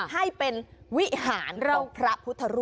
ให้เป็นวิหารเล่าพระพุทธรูป